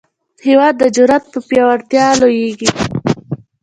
هېواد د جرئت په پیاوړتیا لویېږي.